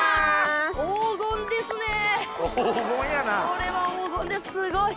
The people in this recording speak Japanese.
これは黄金ですすごい！